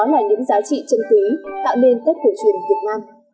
đó là những giá trị chân tí tạo nên tết hồ chùa việt nam